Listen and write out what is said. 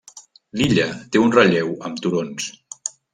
L'illa té un relleu amb turons.